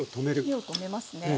火を止めますね。